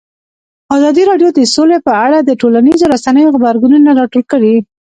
ازادي راډیو د سوله په اړه د ټولنیزو رسنیو غبرګونونه راټول کړي.